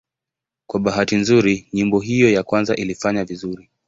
Kwa bahati nzuri nyimbo hiyo ya kwanza ilifanya vizuri.